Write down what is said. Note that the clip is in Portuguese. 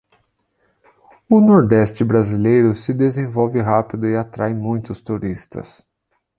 O nordeste brasileiro se desenvolve rápido e atrai muitos turistas